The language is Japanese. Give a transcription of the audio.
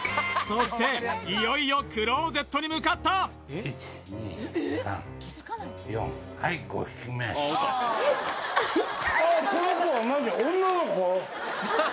そしていよいよクローゼットに向かったあっこの子は何？